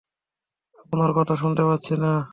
আপনার কথা শোনতে পাচ্ছি না।